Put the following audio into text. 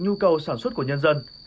nhu cầu sản xuất của nhân dân